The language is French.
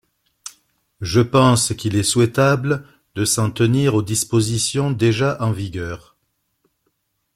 Je pense qu’il est souhaitable de s’en tenir aux dispositions déjà en vigueur.